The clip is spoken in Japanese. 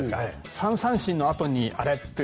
３三振のあとにあれって。